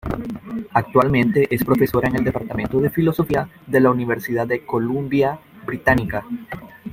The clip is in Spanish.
Actualmente es profesora en el departamento de filosofía de la Universidad de Columbia Británica.